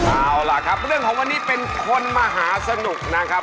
เอาล่ะครับเรื่องของวันนี้เป็นคนมหาสนุกนะครับ